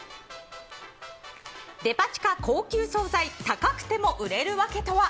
デパ地下、高級総菜高くても売れるワケとは。